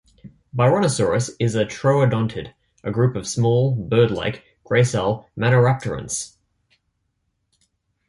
"Byronosaurus" is a troodontid, a group of small, bird-like, gracile maniraptorans.